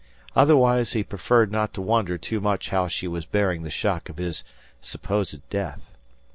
Otherwise he preferred not to wonder too much how she was bearing the shock of his supposed death.